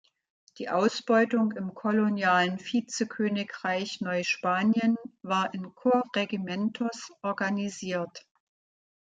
Die Ausbeutung im kolonialen Vizekönigreich Neuspanien war in "Corregimientos" organisiert.